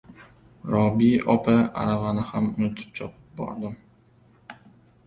Robi opa! - aravani ham unutib chopib bordim.